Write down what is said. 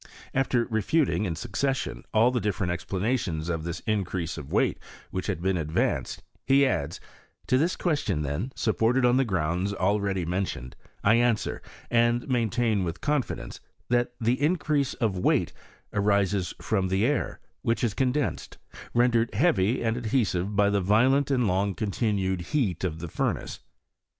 After refuting in succession all the different explanations of this increase of weight which had been advanced, he adds, " To this question, then, supported on the grounds already mentioned, I an swer, and maintain with confidence, that the increase of weight arises from the air, which is condensed^ I rendered heavy and adhesive by the violent and long continued heat ofthe furnace.